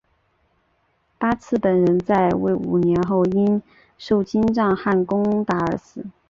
八剌本人在位五年后因受金帐汗攻打而死。